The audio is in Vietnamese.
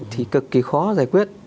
thì cực kỳ khó giải quyết